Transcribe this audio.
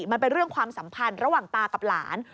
มันเป็นเรื่องความสัมพันธ์ระหว่างตากับหลาน